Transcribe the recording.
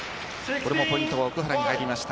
これもポイント奥原が取りました。